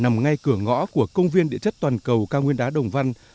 nằm ngay cửa ngõ của công viên địa chất toàn cầu cao nguyên đá đồng văn